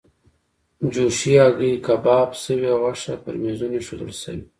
جوشې هګۍ، کباب شوې غوښه پر میزونو ایښودل شوې.